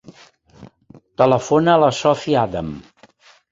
Telefona a la Sophie Adame.